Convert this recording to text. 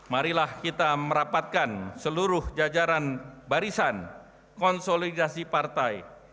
marilah kita merapatkan seluruh jajaran barisan konsolidasi partai